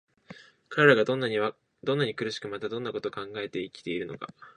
彼等がどんなに苦しく、またどんな事を考えて生きているのか、